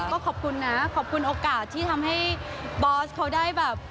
ก็ขอบคุณนะขอบคุณโอกาสที่ทำให้บอสเขาได้แบบ